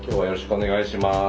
お願いします。